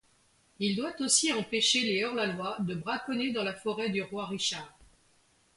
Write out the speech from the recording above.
Il doit aussi empêcher les hors-la-loi de braconner dans la forêt du Roi Richard.